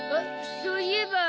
そういえば。